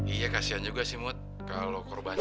iya kasian juga sih mut kalau korban jiwa